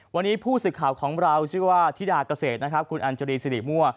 วันนี้ผู้สื่อข่าวของเราชื่อว่าธิดาเกษตรนะครับคุณอัญชรีสิริมั่ว